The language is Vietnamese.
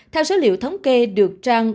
theo số liệu thống kê được trang